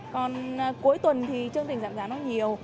còn cuối tuần thì chương trình giảm giá nó nhiều